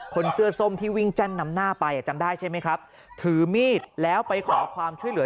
คนเสื้อส้มที่วิ่งแจ้นนำหน้าไปอ่ะจำได้ใช่ไหมครับถือมีดแล้วไปขอความช่วยเหลือ